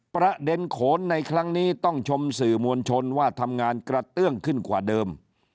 โขนในครั้งนี้ต้องชมสื่อมวลชนว่าทำงานกระเตื้องขึ้นกว่าเดิม